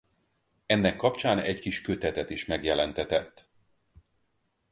Ennek kapcsán egy kis kötetet is megjelentetett.